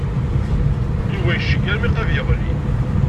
Yuba yecceg armi qrib yeɣli.